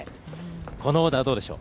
このオーダー、どうでしょう？